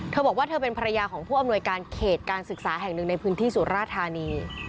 เธอบอกว่าเธอเป็นภรรยาของผู้อำนวยการเขตการศึกษาแห่งหนึ่งในพื้นที่สุราธานี